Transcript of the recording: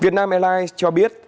việt nam airlines cho biết